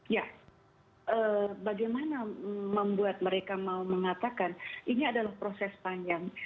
ya bagaimana membuat mereka mau mengatakan ini adalah proses panjang